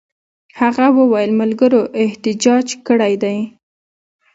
هغه وویل ملګرو احتجاج کړی وو.